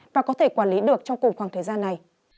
và có thể quản lý được trong cùng khoảng thời gian này